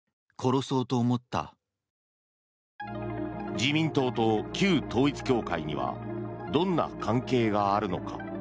自民党と旧統一教会にはどんな関係があるのか。